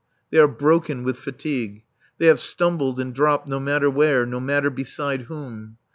They are broken with fatigue. They have stumbled and dropped no matter where, no matter beside whom.